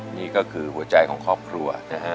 นี่ก็คือหัวใจของครอบครัวนะฮะ